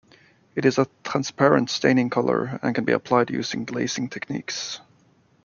It is a transparent staining color and can be applied using glazing techniques.